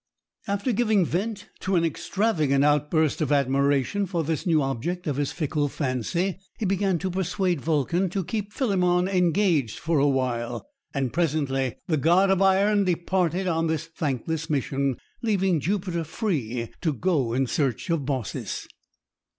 After giving vent to an extravagant outburst of admiration for this new object of his fickle fancy, he began to persuade Vulcan to keep Philemon engaged for awhile; and presently the God of Iron departed on this thankless mission, leaving Jupiter free to go in search of Baucis.